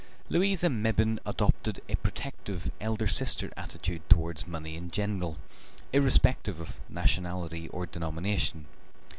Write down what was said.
Louisa Mebbin adopted a protective elder sister attitude towards money in general, irrespective of nationality or denomination.